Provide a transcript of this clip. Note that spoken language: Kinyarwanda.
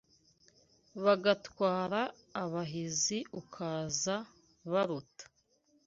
Bigatwara abahizi ukaza baruta